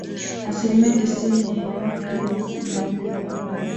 asilimia tisini ya eneo hiyo imeathirika vibaya